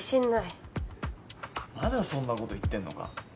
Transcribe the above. まだそんな事言ってんのか。